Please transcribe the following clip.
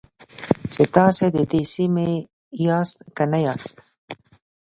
چې تاسو د دې سیمې یاست که نه یاست.